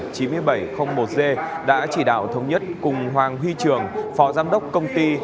tổng số chín trăm chín mươi bảy một g đã chỉ đạo thống nhất cùng hoàng huy trường phó giám đốc công ty